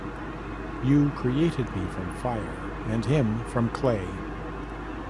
You created me from fire and him from clay.